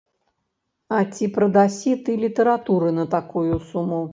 А ці прадасі ты літаратуры на такую суму?